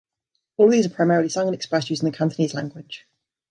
All of these are primarily sung and expressed using the Cantonese language.